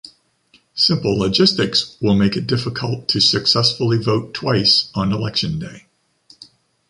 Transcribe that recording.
Simple logistics will make it difficult to successfully vote twice on election day.